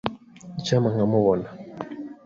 Icyampa nkamubona.